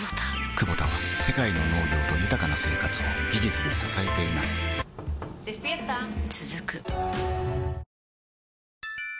クボタは世界の農業と豊かな生活を技術で支えています起きて。